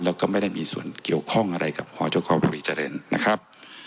แล้วก็ไม่ได้มีส่วนเกี่ยวข้องอะไรกับหอจคอบุรีเจริญนะครับ